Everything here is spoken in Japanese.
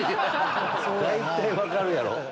大体分かるやろ！